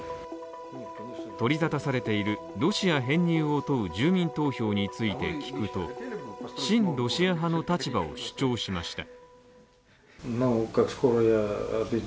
取り沙汰されているロシア編入を問う住民投票について聞くと親ロシア派の立場を主張しました。